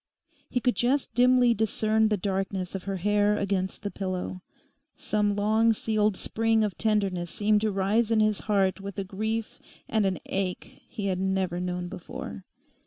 He could just dimly discern the darkness of her hair against the pillow. Some long sealed spring of tenderness seemed to rise in his heart with a grief and an ache he had never known before.